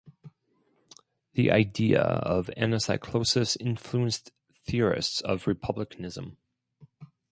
The idea of anacyclosis influenced theorists of republicanism.